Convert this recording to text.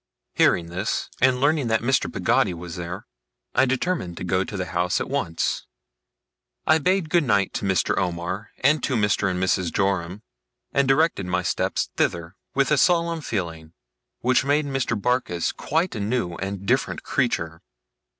Hearing this, and learning that Mr. Peggotty was there, I determined to go to the house at once. I bade good night to Mr. Omer, and to Mr. and Mrs. Joram; and directed my steps thither, with a solemn feeling, which made Mr. Barkis quite a new and different creature.